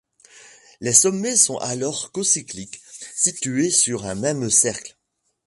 Les sommets sont alors cocycliques, situés sur un même cercle.